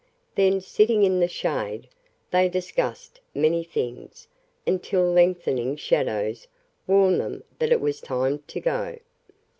Then, sitting in the shade, they discussed many things until lengthening shadows warned them that it was time to go.